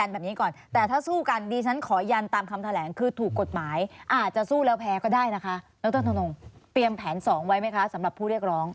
บริโธ่ท่านธนมเปรียมแผนสองไว้ไหมคะสำหรับผู้เรียกร้อง